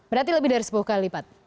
berarti lebih dari sepuluh kali lipat